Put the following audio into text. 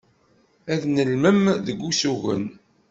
Ad nelmem deg usugen.